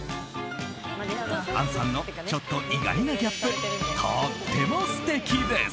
杏さんのちょっと意外なギャップとっても素敵です。